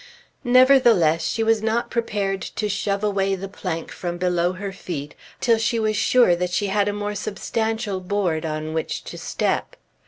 Nevertheless she was not prepared to shove away the plank from below her feet, till she was sure that she had a more substantial board on which to step.